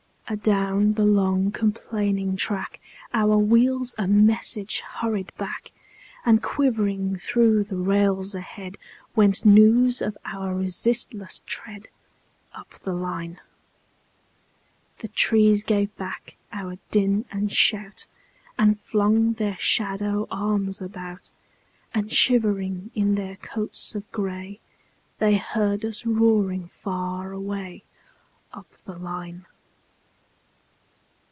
Adown the long, complaining track, Our wheels a message hurried back; And quivering through the rails ahead, Went news of our resistless tread, Up the line. The trees gave back our din and shout, And flung their shadow arms about; And shivering in their coats of gray, They heard us roaring far away, Up the line.